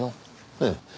ええ。